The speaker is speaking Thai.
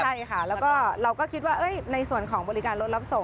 ใช่ค่ะแล้วก็เราก็คิดว่าในส่วนของบริการรถรับส่ง